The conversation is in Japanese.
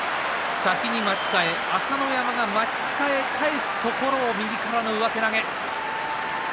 先に巻き替え、朝乃山が巻き替え返すところを右からの上手投げ。